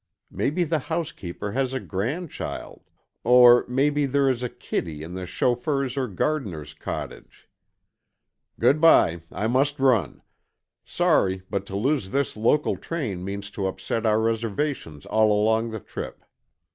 Maybe the housekeeper has a grandchild, or maybe there is a kiddy in the chauffeur's or gardener's cottage. Good bye, I must run. Sorry, but to lose this local train means to upset our reservations all along the trip."